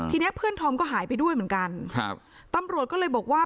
เนี้ยเพื่อนธอมก็หายไปด้วยเหมือนกันครับตำรวจก็เลยบอกว่า